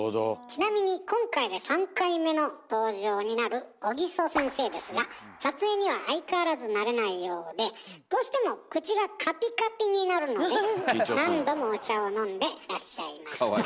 ちなみに今回で３回目の登場になる小木曽先生ですが撮影には相変わらず慣れないようでどうしても口がカピカピになるので何度もお茶を飲んでらっしゃいました。